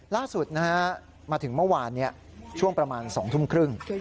ล่าสุดมาถึงเมื่อวานช่วงประมาณ๒ทุ่มครึ่ง